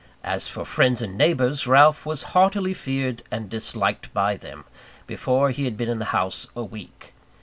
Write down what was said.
As for friends and neighbours, Ralph was heartily feared and disliked by them, before he had been in the house a week.